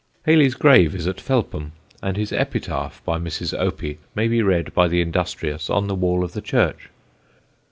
Hayley's grave is at Felpham, and his epitaph by Mrs. Opie may be read by the industrious on the wall of the church.